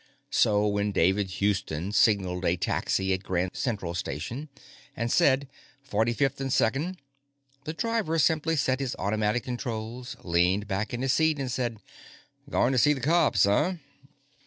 So when David Houston signalled a taxi at Grand Central Station and said, "Forty fifth and Second," the driver simply set his automatic controls, leaned back in his seat, and said, "Goin' to see the cops, huh?"